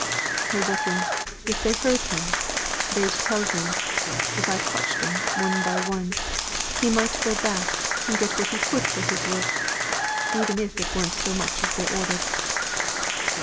I reckon, if they heard him, the'd tell him (if I cotched 'em one by one), he might go back and get what he could for his work, even if it weren't so much as they ordered."